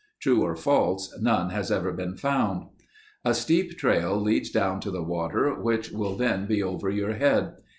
True or false, none has ever been found. A steep trail leads down to the water which will then be over your head.